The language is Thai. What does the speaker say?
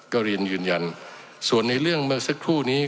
ก็เรียนยืนยันส่วนในเรื่องเมื่อสักครู่นี้